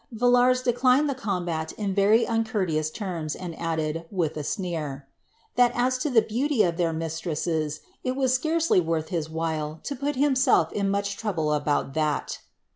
'' VUlars declined the combat in very uncourteous terms, and added^ with a sneer, ^ that as to the beauty of their mistresses, it was scarcely worth his while to put himself to much trouble about that."